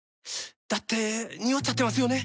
だってニオっちゃってますよね。